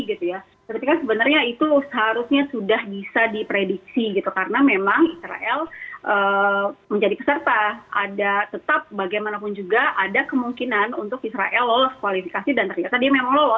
erick tauhir bertolak ke qatar untuk bertemu dengan president fifa